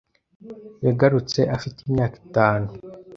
Yagarutse afite imyaka itanu.